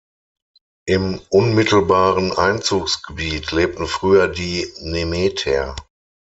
Im unmittelbaren Einzugsgebiet lebten früher die Nemeter.